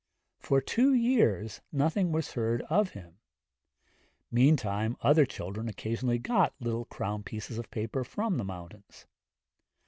For two years nothing was heard of him. Meantime other children occasionally got like crown pieces of paper from the mountains.